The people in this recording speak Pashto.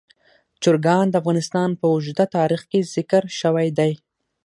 چرګان د افغانستان په اوږده تاریخ کې ذکر شوی دی.